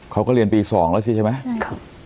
เขาก็เรียนปีสองแล้วสิใช่ไหมใช่